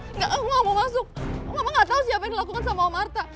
enggak aku gak mau masuk mama gak tau siapa yang dilakukan sama om arta